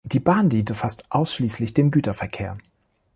Die Bahn diente fast ausschließlich dem Güterverkehr.